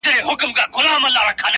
o چي لو کونه وينې، ځيني تښته٫.